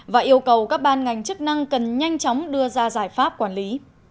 và yêu cầu các ban ngành chức năng cần nhanh chóng đưa ra giải pháp quản lý